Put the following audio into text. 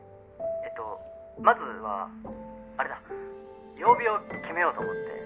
「えっとまずはあれだ曜日を決めようと思って」